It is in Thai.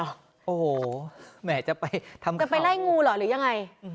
โอ้โหแหมจะไปทำจะไปไล่งูเหรอหรือยังไง